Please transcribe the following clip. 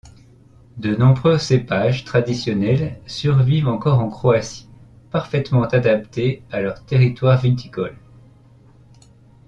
De nombreux cépages traditionnels survivent encore en Croatie, parfaitement adapté à leur terroir viticole.